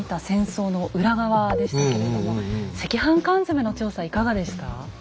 戦争の裏側」でしたけれども赤飯缶詰の調査いかがでした？